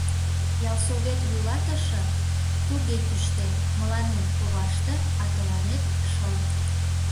— Ялсовет вуйлатыше туге кӱштен, мыланем — коваште, а тыланет — шыл.